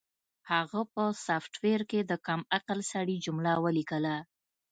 هغه په سافټویر کې د کم عقل سړي جمله ولیکله